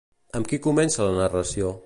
Amb qui comença la narració?